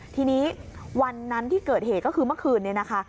ทีนี้วันนั้นที่เกิดเหตุก็คือเมื่อคืนนี้นะคะ